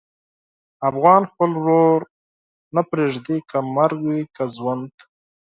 افغان خپل ورور نه پرېږدي، که مرګ وي که ژوند.